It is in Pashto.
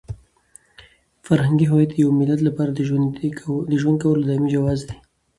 فرهنګي هویت د یو ملت لپاره د ژوند کولو دایمي جواز دی.